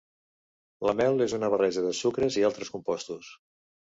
La mel és una barreja de sucres i altres compostos.